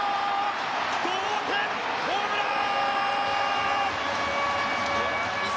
同点ホームラン！